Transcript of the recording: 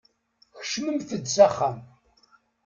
Kecmemt-d s axxam.